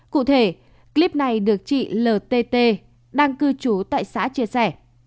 cụ thể clip này được chị ltt đăng cư chú tại xã chia sẻ